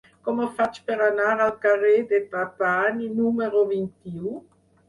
Com ho faig per anar al carrer de Trapani número vint-i-u?